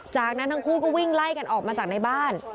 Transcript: จากนั้นทั้งคู่ก็วิ่งไล่กันออกมาจากในบ้าน